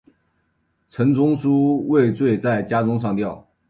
陈仲书畏罪在家中上吊。